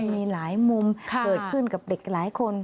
มีหลายมุมเกิดขึ้นกับเด็กหลายคน